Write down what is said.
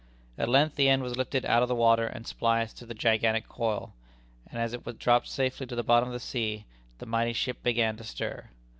At length the end was lifted out of the water and spliced to the gigantic coil, and as it dropped safely to the bottom of the sea, the mighty ship began to stir.